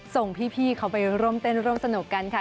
ส่งพี่เขาไปร่วมเต้นร่วมสนุกกันค่ะ